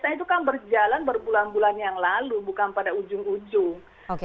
nah itu kan berjalan berbulan bulan yang lalu bukan pada ujung ujung